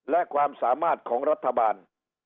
และความสามารถของรัฐบาล